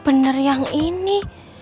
bener yang ini